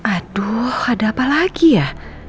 aduh ada apa lagi ya